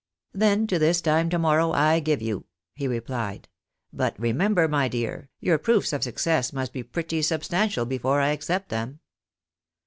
" Then to this time to morrow I give you," he replied. " But remember, my dear, your proofs of success must be pretty substan tial before I accept them."